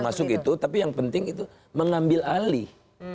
masuk itu tapi yang penting itu mengambil alih